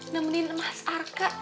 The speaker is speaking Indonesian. nemenin mas arka